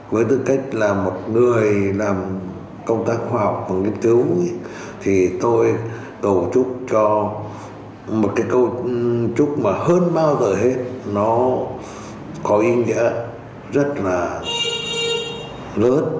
với tư cách là một người làm công tác khoa học và nghiên cứu thì tôi tổ chức cho một cái câu chúc mà hơn bao giờ hết nó có ý nghĩa rất là lớn